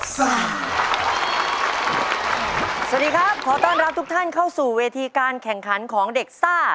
สวัสดีครับขอต้อนรับทุกท่านเข้าสู่เวทีการแข่งขันของเด็กซ่า